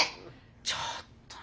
ちょっと。